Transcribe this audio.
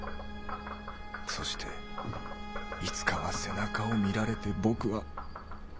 そしていつかは背中を見られて僕は。